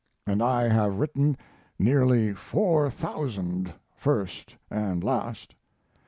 and I have written nearly four thousand, first and last).